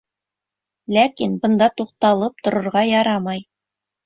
Ләкин бында туҡталып торорға ярамай.